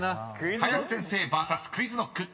［林先生ＶＳＱｕｉｚＫｎｏｃｋ］